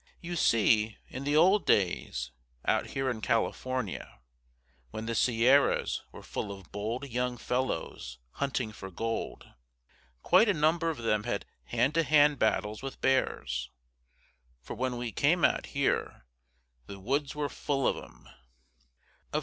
You see, in the old days, out here in California, when the Sierras were full of bold young fellows hunting for gold, quite a number of them had hand to hand battles with bears. For when we came out here "the woods were full of 'em."